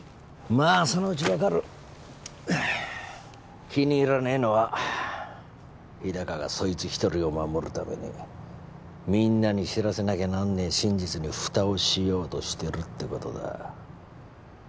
まあそのうち分かる気に入らねえのは日高がそいつ一人を守るためにみんなに知らせなきゃなんねえ真実に蓋をしようとしてるってことだ